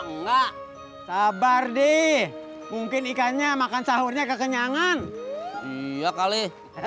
enggak sabar deh mungkin ikannya makan sahurnya kekenyangan iya kali